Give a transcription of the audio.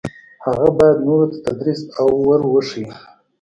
هغه باید نورو ته تدریس او ور وښيي.